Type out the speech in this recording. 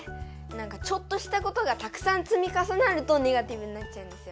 ちょっとしたことがたくさんつみかさなるとネガティブになっちゃうんですよ。